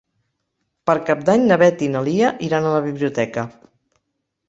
Per Cap d'Any na Beth i na Lia iran a la biblioteca.